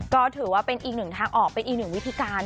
ก็ถือว่าเป็นอีกหนึ่งทางออกเป็นอีกหนึ่งวิธีการ